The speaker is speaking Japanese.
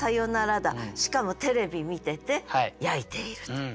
しかもテレビ見てて焼いているという。